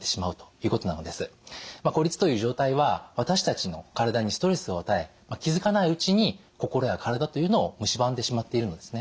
孤立という状態は私たちの体にストレスを与え気づかないうちに心や体というのをむしばんでしまっているのですね。